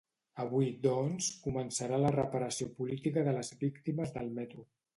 Avui, doncs, començarà la reparació política de les víctimes del metro.